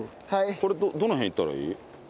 これどの辺いったらいい？